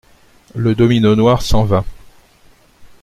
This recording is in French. Le domino noir s'en va.